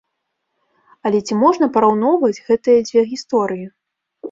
Але ці можна параўноўваць гэтыя дзве гісторыі?